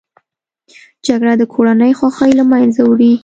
جګړه د کورنۍ خوښۍ له منځه وړي